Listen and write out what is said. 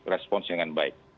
respon dengan baik